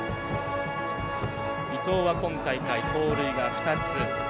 伊藤は今大会、盗塁が２つ。